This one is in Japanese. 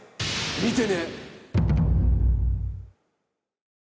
見てね。